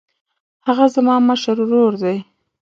هغه زما مشر ورور دی.